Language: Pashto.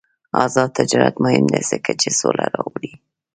آزاد تجارت مهم دی ځکه چې سوله راولي.